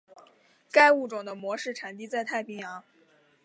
该物种的模式产地在太平洋。